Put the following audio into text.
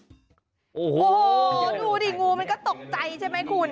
โอ้โหดูดิงูมันก็ตกใจใช่ไหมคุณ